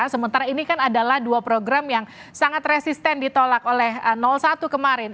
sementara ini kan adalah dua program yang sangat resisten ditolak oleh satu kemarin